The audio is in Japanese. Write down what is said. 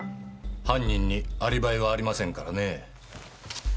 犯人にアリバイはありませんからねぇ。